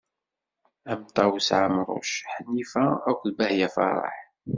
Am Ṭawes Ɛemruc, Ḥnifa akk d Bahya Faraḥ.